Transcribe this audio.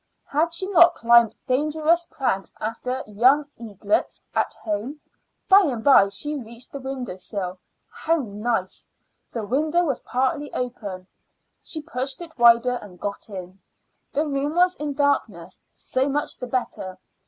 Had she not climbed dangerous crags after young eaglets at home? By and by she reached the window sill. How nice! the window was partly open. She pushed it wider and got in. The room was in darkness. So much the better.